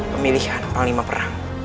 pemilihan panglima perang